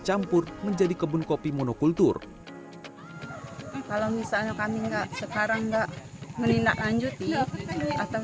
campur menjadi kebun kopi monokultur kalau misalnya kami enggak sekarang enggak menindaklanjuti atau